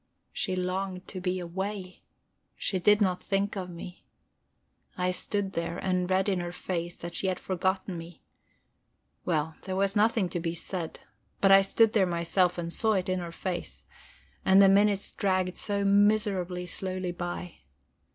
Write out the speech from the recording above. She longed to be away; she did not think of me. I stood there, and read in her face that she had forgotten me. Well, there was nothing to be said but I stood there myself and saw it in her face. And the minutes dragged so miserably slowly by!